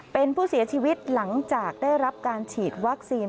เป็นผู้เสียชีวิตหลังจากได้รับการฉีดวัคซีน